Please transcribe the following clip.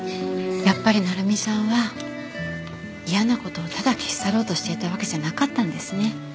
やっぱり成実さんは嫌な事をただ消し去ろうとしていたわけじゃなかったんですね。